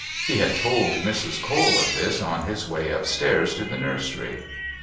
He had told Mrs. Cole of this on his way upstairs to the nursery.